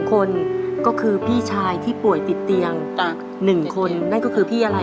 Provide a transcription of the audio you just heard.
คนก็คือพี่ชายที่ป่วยติดเตียง๑คนนั่นก็คือพี่อะไร